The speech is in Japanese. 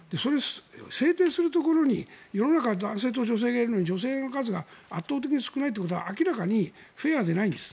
制定するところに世の中には男性と女性がいるのに女性の数が圧倒的に少ないということは明らかにフェアではないんです。